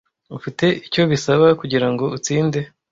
Ufite icyo bisaba kugirango utsinde,